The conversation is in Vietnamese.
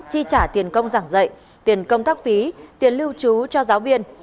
chi trả tiền công giảng dạy tiền công tác phí tiền lưu trú cho giáo viên